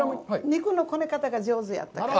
肉のこね方が上手やったから。